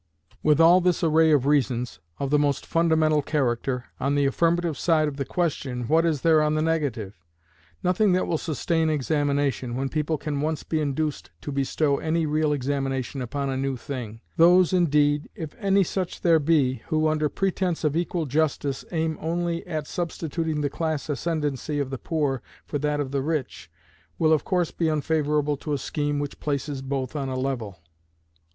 With all this array of reasons, of the most fundamental character, on the affirmative side of the question, what is there on the negative? Nothing that will sustain examination, when people can once be induced to bestow any real examination upon a new thing. Those indeed, if any such there be, who, under pretense of equal justice, aim only at substituting the class ascendancy of the poor for that of the rich, will of course be unfavorable to a scheme which places both on a level.